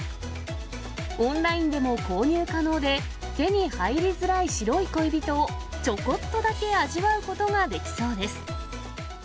オンラインでも購入可能で、手に入りづらい白い恋人を、チョコっとだけ味わうことができそうです。